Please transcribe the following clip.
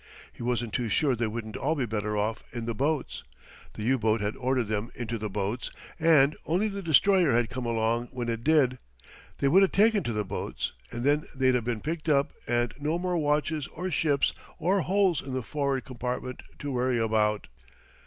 He wasn't too sure they wouldn't all be better off in the boats. The U boat had ordered them into the boats, and, only the destroyer had come along when it did, they would 'a' taken to the boats, and then they'd 'a' been picked up and no more watches or ships or holes in the for'ard compartment to worry about.